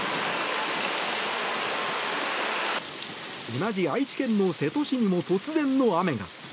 同じ愛知県の瀬戸市にも突然の雨が。